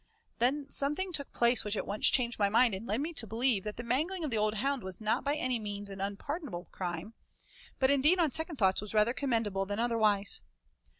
Then something took place which at once changed my mind and led me to believe that the mangling of the old hound was not by any means an unpardonable crime, but indeed on second thoughts was rather commendable than otherwise.